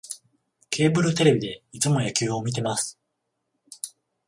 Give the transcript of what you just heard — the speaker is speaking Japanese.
ケーブルテレビでいつも野球を観てます